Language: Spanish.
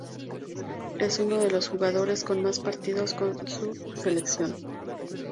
Es uno de los jugadores con más partidos con su selección.